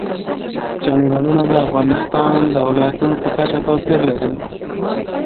چنګلونه د افغانستان د ولایاتو په کچه توپیر لري.